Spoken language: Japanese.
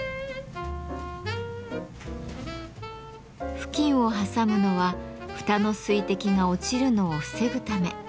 布巾を挟むのは蓋の水滴が落ちるのを防ぐため。